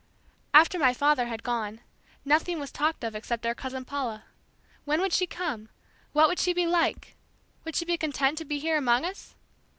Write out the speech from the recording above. After my father had gone, nothing was talked of except our cousin Paula. When would she come? What would she be like? Would she be content to be here among us?